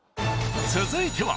［続いては。